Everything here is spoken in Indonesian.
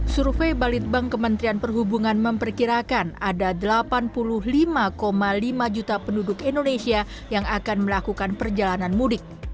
survei balitbank kementerian perhubungan memperkirakan ada delapan puluh lima lima juta penduduk indonesia yang akan melakukan perjalanan mudik